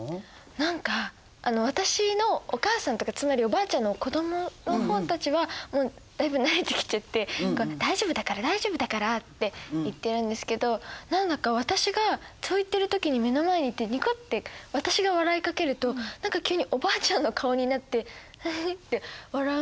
何か私のお母さんとかつまりおばあちゃんの子どもの方たちはだいぶ慣れてきちゃって「大丈夫だから大丈夫だから」って言ってるんですけど何だか私がそう言ってる時に目の前に行ってニコッて私が笑いかけると何か急におばあちゃんの顔になってフフッて笑うんですよ。